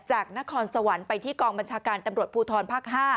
จากนครสวรรค์ไปที่กองบัญชาการตำรวจภูทรภาค๕